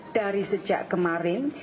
dari sejak kemarin